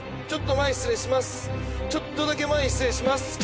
ちょっと前失礼します。